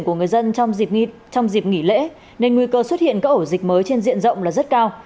của người dân trong dịp nghỉ lễ nên nguy cơ xuất hiện các ổ dịch mới trên diện rộng là rất cao